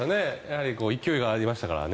勢いがありましたからね。